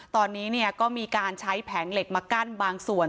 ตอนนี้ก็มีการใช้แผงเหล็กมากั้นบางส่วน